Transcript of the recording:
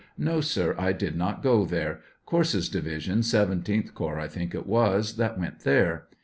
No, sir ; I did not go there ; Corse's division, 17th corps, i think it was, that went there.